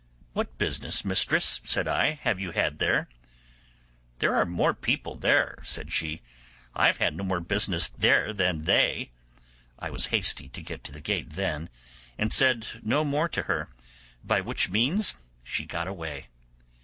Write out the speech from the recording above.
'What business, mistress,' said I, 'have you had there?' 'There are more people there,' said she; 'I have had no more business there than they.' I was hasty to get to the gate then, and said no more to her, by which means she got away.